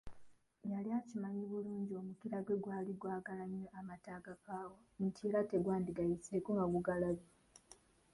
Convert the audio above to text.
Yali akimanyi bulungi omukira gwe gwali gwagala nnyo amata agakaawa nti era tegwandigayiseeko nga gugalabye.